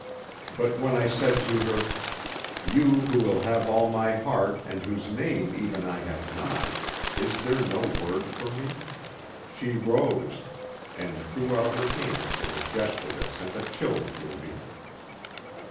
But when I said to her, "You, who have all my heart, and whose name, even, I have not—is there no word for me," she rose, and threw out her hands in a gesture that sent a chill through me.